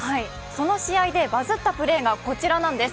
その試合でバズったプレーがこちらなんです。